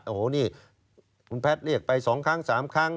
โอ้โหนี่คุณแพทรเรียกไปสองครั้งสามครั้ง